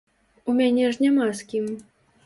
У мяне ж няма з кім.